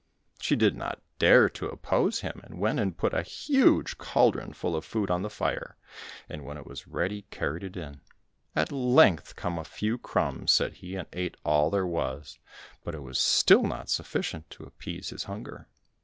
She did not dare to oppose him, and went and put a huge caldron full of food on the fire, and when it was ready, carried it in. "At length come a few crumbs," said he, and ate all there was, but it was still not sufficient to appease his hunger.